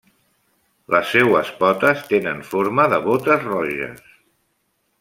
Les seues potes tenen forma de botes roges.